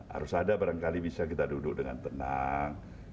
harus ada barangkali bisa kita duduk dengan tenang